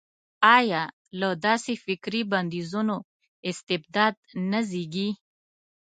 ایا له داسې فکري بندیزونو استبداد نه زېږي.